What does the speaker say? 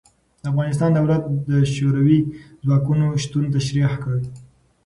د افغانستان دولت د شوروي ځواکونو شتون تشرېح کړ.